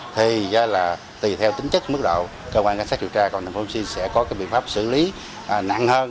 thì tùy theo tính chất mức độ cơ quan cảnh sát điều tra công an thành phố hồ chí minh sẽ có biện pháp xử lý nặng hơn